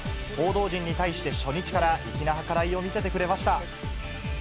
報道陣に対して、初日から粋な計らいを見せてくれました。